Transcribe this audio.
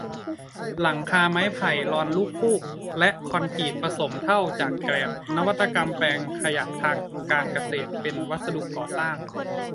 หลังคาไม้ไผ่ลอนลูกฟูก และ คอนกรีตผสมเถ้าจากแกลบ นวัตกรรมแปลงขยะทางการเกษตรเป็นวัสดุก่อสร้าง